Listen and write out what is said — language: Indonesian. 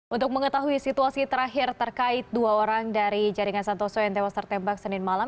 untuk mengetahui situasi terakhir terkait dua orang dari jaringan santoso yang tewas tertembak senin malam